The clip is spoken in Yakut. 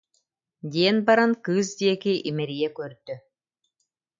диэн баран кыыс диэки имэрийэ көрдө